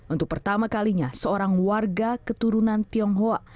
untuk pertama kalinya seorang warga keturunan tionghoa